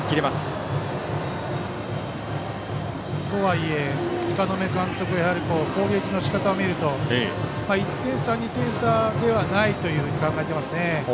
とはいえ、柄目監督の攻撃のしかたを見ると１点差、２点差ではないと考えていますね。